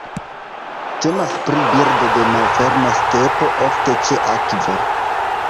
Temas pri birdo de malferma stepo, ofte ĉe akvo.